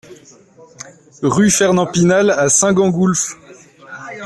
Rue Fernand Pinal à Saint-Gengoulph